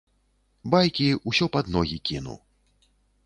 Байкі, усё пад ногі кіну.